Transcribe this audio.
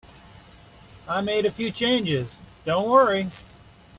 I made a few changes, don't worry.